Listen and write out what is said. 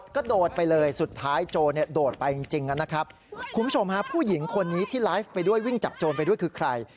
คุณโชมหาผู้หญิงคนนี้ที่ไลฟ์ไปด้วยวิ่งจับโจรไปด้วยคือใคร